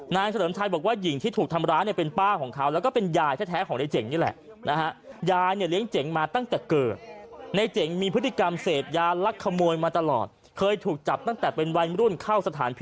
นายเฉลิมชัยบอกว่าหญิงที่ถูกทำร้าเนี่ยเป็นป้าของเขา